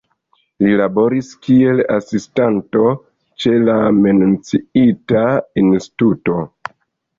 Li laboris kiel asistanto ĉe la menciita instituto.